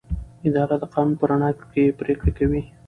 اداره د قانون په رڼا کې پریکړې کوي.